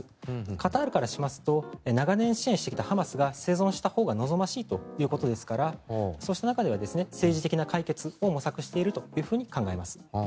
カタールからしますと長年支援してきたハマスが生存したほうが望ましいということですからそうした中では政治的な解決を模索していると考えます。